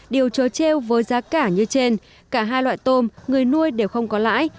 điều trớ treo với giá cả như trên cả hai loại tôm người nuôi đều không có lãi